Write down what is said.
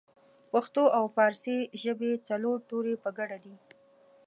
پښتو او پارسۍ ژبې څلور توري په ګډه دي